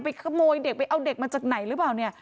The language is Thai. ขโมยเด็กไปเอาเด็กมาจากไหนหรือเปล่าเนี่ย